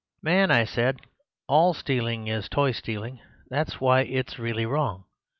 "'Man!' I said, 'all stealing is toy stealing. That's why it's really wrong.